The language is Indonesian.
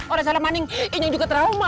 oleh salah maning ini juga trauma